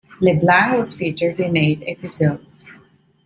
LeBlanc was featured in eight episodes.